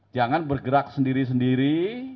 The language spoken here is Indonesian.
jangan bergerak sendiri sendiri